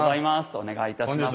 お願いいたします。